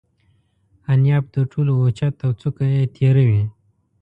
انیاب تر ټولو اوچت او څوکه یې تیره وي.